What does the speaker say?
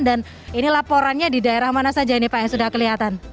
dan ini laporannya di daerah mana saja ini pak yang sudah kelihatan